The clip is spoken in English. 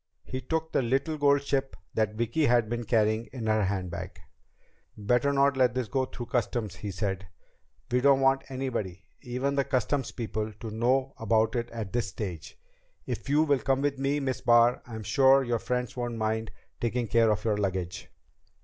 He took the little gold ship that Vicki had been carrying in her handbag. "Better not let this go through Customs," he said. "We don't want anybody, even the Customs people, to know about it at this stage. If you will come with me, Miss Barr, I'm sure your friends won't mind taking care of your luggage."